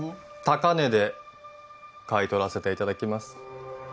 高値で買い取らせていただきます